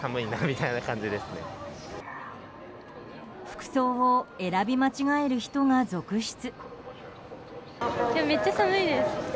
服装を選び間違える人が続出。